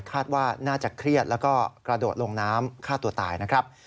คาดว่าน่าจะเครียดแล้วก็กระโดดลงน้ำฆ่าตัวตายนะครับ